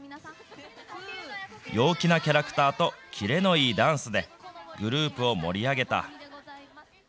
陽気なキャラクターと、キレのいいダンスでグループを盛り上げた。